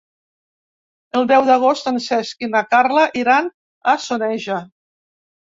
El deu d'agost en Cesc i na Carla iran a Soneja.